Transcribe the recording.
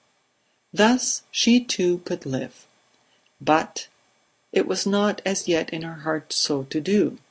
Thus she too could live; but ... it was not as yet in her heart so to do